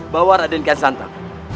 bawa raden gersantang